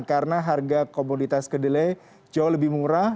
karena harga komoditas kedelai jauh lebih murah